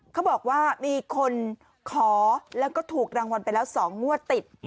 เขาบอกว่ามีคนขอแล้วก็ถูกรางวัลไปแล้ว๒งวดติด